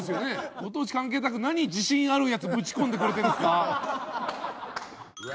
ご当地関係なく何自信あるやつぶち込んでくれてるんですか。